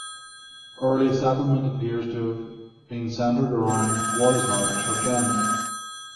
Early settlement appears to have been centred around what is now Church End.